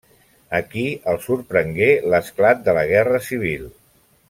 Aquí el sorprengué l'esclat de la guerra civil.